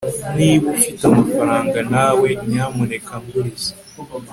niba ufite amafaranga nawe, nyamuneka nguriza